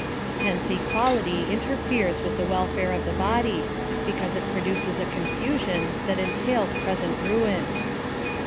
Hence equality interferes with the welfare of the body, because it produces a confusion that entails present ruin.